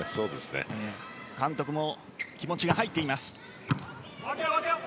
監督も気持ちが入っています。